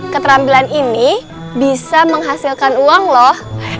keterampilan ini bisa menghasilkan uang loh